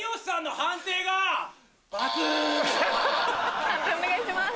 判定お願いします。